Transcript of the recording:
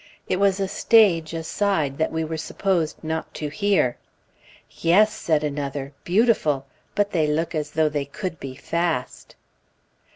It was a stage aside that we were supposed not to hear. "Yes," said another; "beautiful! but they look as though they could be fast."